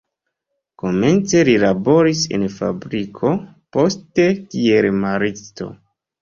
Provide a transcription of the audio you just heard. Komence li laboris en fabriko, poste kiel maristo.